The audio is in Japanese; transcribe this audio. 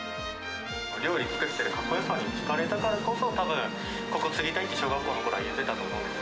料理作っているかっこよさにひかれたからこそ、たぶん、ここ継ぎたいって小学校のころは言ってたと思うんですよ。